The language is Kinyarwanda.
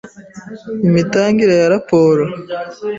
Imitangire ya raporo